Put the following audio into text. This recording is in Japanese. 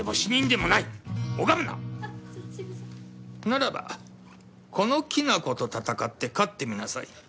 ならばこのきなこと戦って勝ってみなさい。